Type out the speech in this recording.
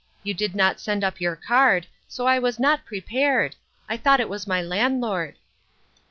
You did not send up your card, so I was not prepared ; I thought it was my landlord."